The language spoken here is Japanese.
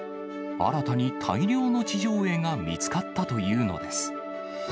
新たに大量の地上絵が見つかったというのです。